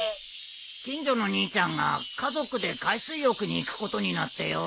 近所の兄ちゃんが家族で海水浴に行くことになってよ。